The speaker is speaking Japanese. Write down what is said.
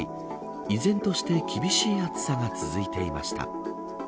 依然として厳しい暑さが続いていました。